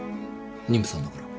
妊婦さんだから。